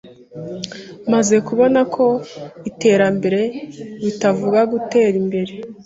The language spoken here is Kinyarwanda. maze kubona ko iterambere bitavuga gutera imbere